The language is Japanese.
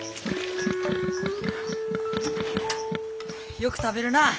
よく食べるなあ。